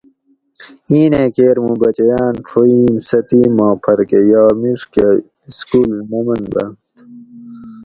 اینیں کیر موں بچیان ڛوئیم ستیم ما پھر کہ یا مِیڄ کہ سکول نہ من بانت